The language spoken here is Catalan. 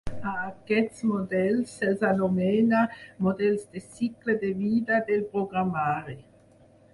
A aquests models se'ls anomena models de cicle de vida del programari.